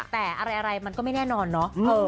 แต่อะไรมันก็ไม่แน่นอนเนาะ